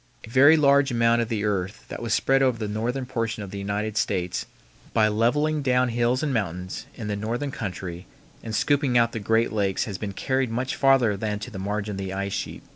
A very large amount of the earth that was spread over the northern portion of the United States by leveling down hills and mountains in the northern country and scooping out the great lakes has been carried much farther than to the margin of the ice sheet.